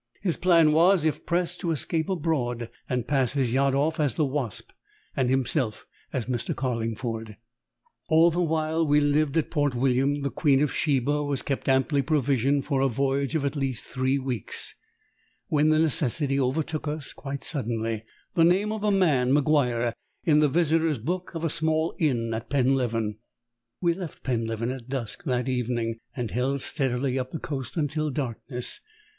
His plan was, if pressed, to escape abroad, and pass his yacht off as the Wasp, and himself as Mr. Carlingford. All the while we lived at Port William the Queen of Sheba was kept amply provisioned for a voyage of at least three weeks, when the necessity overtook us, quite suddenly the name of a man, MacGuire, in the Visitors' Book of a small inn at Penleven. We left Penleven at dusk that evening, and held steadily up the coast until darkness.